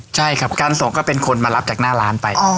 ใช่ครับการส่งก็เป็นคนมารับจากหน้าร้านไป